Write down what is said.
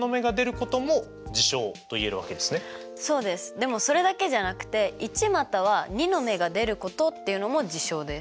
でもそれだけじゃなくて１または２の目が出ることっていうのも事象です。